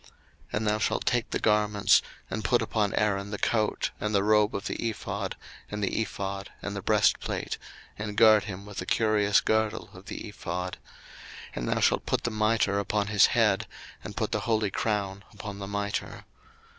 02:029:005 And thou shalt take the garments, and put upon Aaron the coat, and the robe of the ephod, and the ephod, and the breastplate, and gird him with the curious girdle of the ephod: 02:029:006 And thou shalt put the mitre upon his head, and put the holy crown upon the mitre.